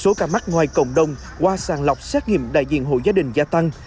số ca mắc ngoài cộng đồng qua sàng lọc xét nghiệm đại diện hộ gia đình gia tăng